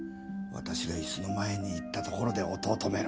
私が椅子の前に行ったところで音を止めろ。